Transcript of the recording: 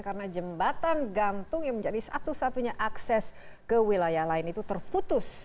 karena jembatan gantung yang menjadi satu satunya akses ke wilayah lain itu terputus